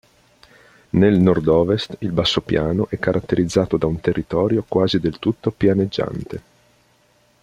Nel nord-ovest il bassopiano è caratterizzato da un territorio quasi del tutto pianeggiante.